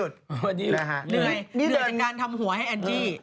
เหนื่อยจากการทำหัวให้อันทรีย์